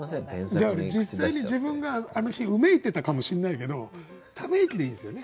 実際に自分があの日うめいてたかもしんないけど「ため息」でいいんですよね。